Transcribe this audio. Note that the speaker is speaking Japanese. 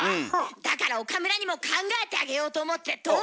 だから岡村にも考えてあげようと思ってどう？